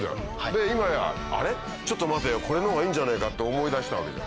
で今や「あれ？ちょっと待てよこれの方がいいんじゃねえか」って思い出したわけでしょ。